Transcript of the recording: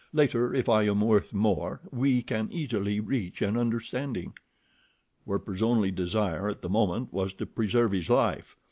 "Later, if I am worth more, we can easily reach an understanding." Werper's only desire at the moment was to preserve his life.